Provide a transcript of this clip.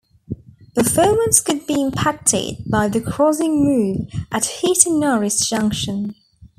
Performance could be impacted by the crossing move at Heaton Norris Junction.